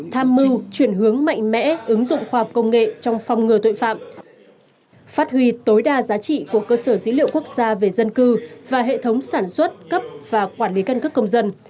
tham mưu chuyển hướng mạnh mẽ ứng dụng khoa học công nghệ trong phòng ngừa tội phạm phát huy tối đa giá trị của cơ sở dữ liệu quốc gia về dân cư và hệ thống sản xuất cấp và quản lý căn cước công dân